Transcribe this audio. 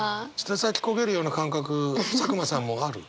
舌先焦げるような感覚佐久間さんもある？